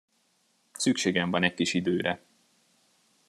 Szükségem van egy kis időre.